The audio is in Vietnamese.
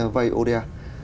vay ô đa